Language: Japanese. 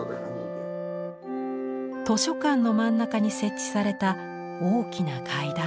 図書館の真ん中に設置された大きな階段。